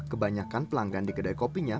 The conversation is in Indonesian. kebanyakan pelanggan di kedai kopinya